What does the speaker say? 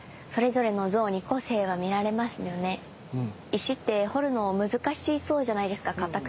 石って彫るの難しそうじゃないですか硬くて。